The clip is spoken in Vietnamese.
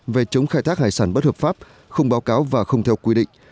về chống khai thác hải sản bất hợp pháp không báo cáo và không theo quy định